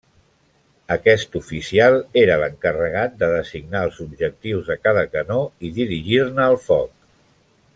Aquest oficial era l'encarregat de designar els objectius de cada canó i dirigir-ne el foc.